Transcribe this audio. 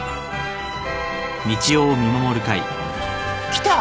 ・「来た！